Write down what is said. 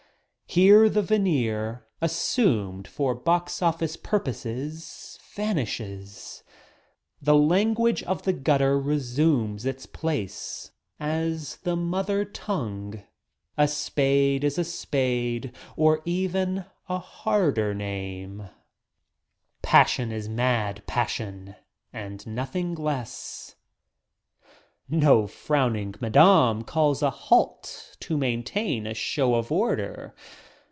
Here the veneer as sumed for box office purposes vanishes The language of the gutter resumes its place as the mother tongue — a spade is a spade or even a harder name — passion is mad passion and nothing less. No frowning "Madam" calls a halt to maintain a show of order.